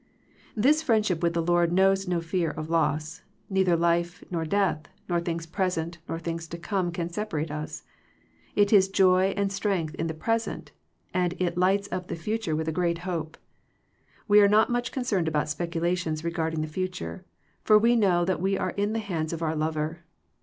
This friendship with the Lord knows no fear of loss; neither life, nor death, nor things present, nor things to come can separate us. It is joy and strength in the present, and it lights up the future with a great hope. We are not much concerned about speculations regarding the future; for we know that we are in the hands of our Lover.